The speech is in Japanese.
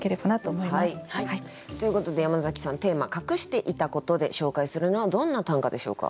ということで山崎さんテーマ「隠していたこと」で紹介するのはどんな短歌でしょうか？